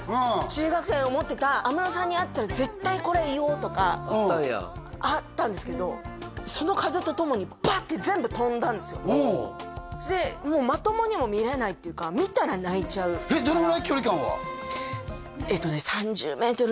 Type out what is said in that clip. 中学生で思ってた安室さんに会ったら絶対これ言おうとかあったんですけどその風とともにバッてでもうまともにも見れないっていうか見たら泣いちゃうえっとねでかい会場やな